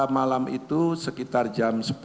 malam itu sekitar jam sepuluh